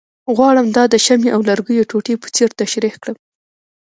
غواړم دا د شمعې او لرګیو ټوټې په څېر تشریح کړم،